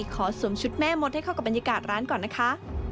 ขอสวมชุดแม่มดให้เข้ากับบรรยากาศร้านก่อนนะคะ